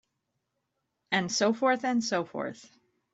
And so forth and so forth.